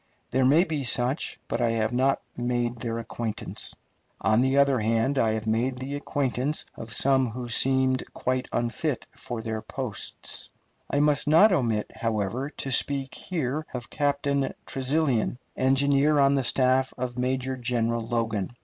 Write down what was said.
There may be such, but I have not made their acquaintance. On the other hand, I have made the acquaintance of some who seemed quite unfit for their places. I must not omit, however, to speak here of Captain Tresilian, engineer on the staff of Major General Logan.